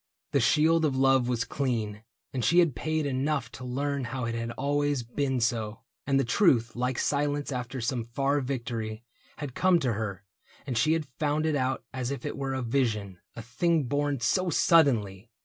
The shield of love Was clean, and she had paid enough to learn How it had always been so. And the truth, Like silence after some far victory. Had come to her, and she had found it out As if it were a vision, a thing born So suddenly